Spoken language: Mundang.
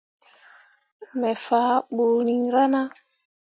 Me fah ɓuriŋ rana.